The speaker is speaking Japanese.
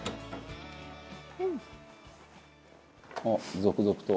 「あっ続々と」